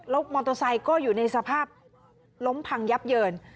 มอเตอร์ไซค์ก็อยู่ในสภาพล้มพังยับเยิน